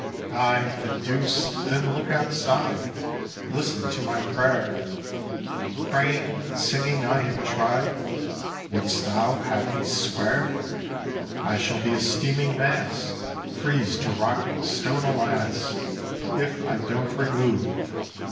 Ay, the deuce, then look outside! Listen to my prayer! Praying, singing, I have tried, Wouldst thou have me swear? I shall be a steaming mass, Freeze to rock and stone, alas! If I don't remove.